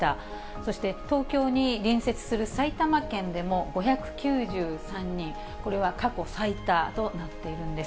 そして東京に隣接する埼玉県でも５９３人、これは過去最多となっているんです。